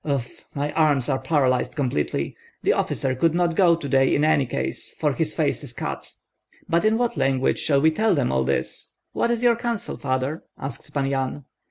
Uf! my arms are paralyzed completely. The officer could not go to day in any case, for his face is cut." "But in what language shall we tell them all this? What is your counsel, father?" asked Pan Yan.